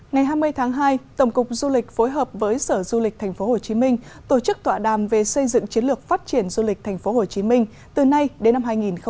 ngày hai mươi tháng hai tổng cục du lịch phối hợp với sở du lịch tp hcm tổ chức tọa đàm về xây dựng chiến lược phát triển du lịch tp hcm từ nay đến năm hai nghìn ba mươi